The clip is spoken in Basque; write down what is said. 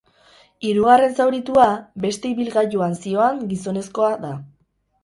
Hirugarren zauritua beste ibilgailuan zihoan gizonezkoa da.